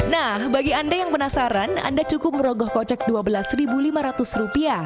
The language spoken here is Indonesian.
nah bagi anda yang penasaran anda cukup merogoh kocek rp dua belas lima ratus